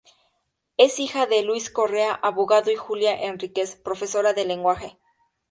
Es hija de Luis Correa, abogado, y Julia Henríquez, profesora de lenguaje.